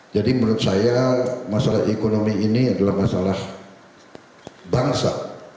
jadi menurut saya masalah ekonomi ini adalah masalah bangsa